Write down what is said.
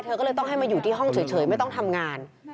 ก็เลยต้องให้มาอยู่ที่ห้องเฉยไม่ต้องทำงาน